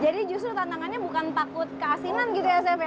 jadi justru tantangannya bukan takut keasinan gitu ya chef ya